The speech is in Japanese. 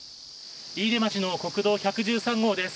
飯豊町の国道１１３号です。